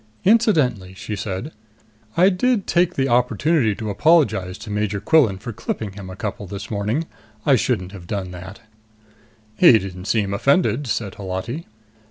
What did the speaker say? "Incidentally," she said, "I did take the opportunity to apologize to Major Quillan for clipping him a couple this morning. I shouldn't have done that." "He didn't seem offended," said Holati.